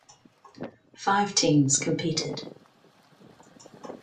Five teams competed.